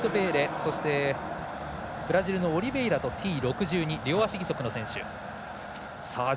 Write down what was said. そして、ブラジルのオリベイラとＴ６２、両足義足の選手。